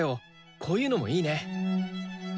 こういうのもいいね。